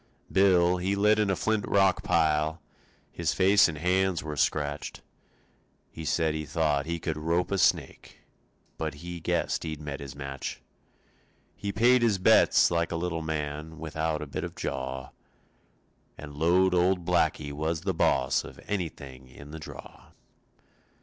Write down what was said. Bill, he lit in a flint rock pile, His face and hands were scratched. He said he thought he could rope a snake But he guessed he'd met his match. He paid his bets like a little man Without a bit of jaw, And lowed old Blackie was the boss Of anything in the draw.